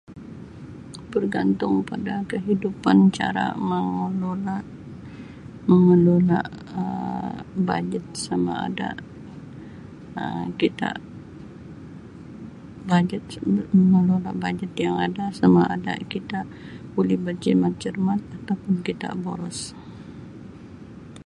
Bergantung pada kehidupan cara mengelola mengelola Um bajet sama ada Um kita bajet [unintelligible] mengelola bajet yang ada sama ada kita boleh berjimat cermat atau pun kita boros.